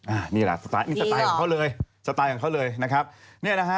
อันนี้แหละสไตล์นี่สไตล์ของเขาเลยสไตล์ของเขาเลยนะครับเนี่ยนะฮะ